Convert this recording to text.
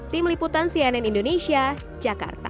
tim liputan cnn indonesia jakarta